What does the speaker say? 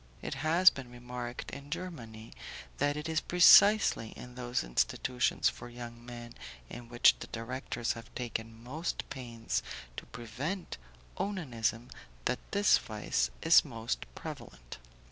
It has been remarked in Germany that it is precisely in those institutions for young men in which the directors have taken most pains to prevent onanism that this vice is most prevalent.